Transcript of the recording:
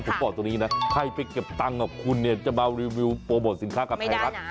ผมบอกตรงนี้นะใครไปเก็บตังค์กับคุณเนี่ยจะมารีวิวโปรโมทสินค้ากับไทยรัฐ